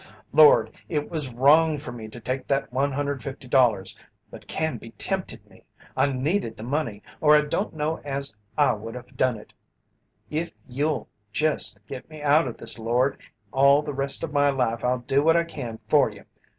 "Lord, it was wrong for me to take that $150, but Canby tempted me. I needed the money or I don't know as I would have done it. If You'll jest get me out of this, Lord, all the rest of my life I'll do what I can for You!